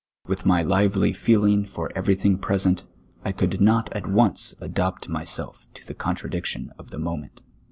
With my lively feeling for everything pre sent, I could not at once adapt myself to the contradiction of the moment.